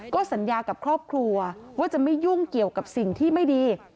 ก็สัญญากับครอบครัวว่าจะไม่ยุ่งเกี่ยวกับสิ่งที่ไม่ดี